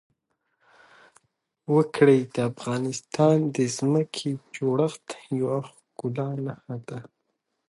وګړي د افغانستان د ځمکې د جوړښت یوه ښکاره نښه ده.